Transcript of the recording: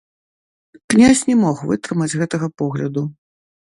Князь не мог вытрымаць гэтага погляду.